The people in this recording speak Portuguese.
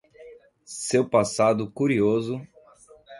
Seu passado curioso